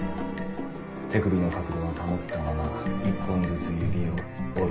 手首の角度は保ったまま一本ずつ指を折る。